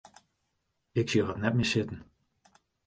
Ik sjoch it net mear sitten.